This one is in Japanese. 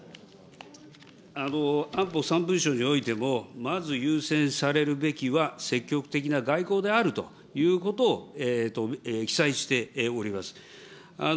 安保三文書においても、まず優先されるべきは積極的な外交であるということを記載しております。